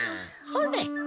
ほれ。